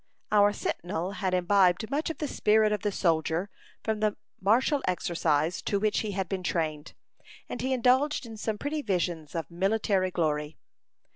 Our sentinel had imbibed much of the spirit of the soldier, from the martial exercise to which he had been trained, and he indulged in some pretty visions of military glory.